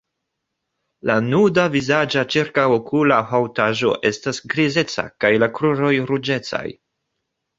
La nuda vizaĝa ĉirkaŭokula haŭtaĵo estas grizeca kaj la kruroj ruĝecaj.